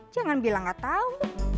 jangan bilang gak tau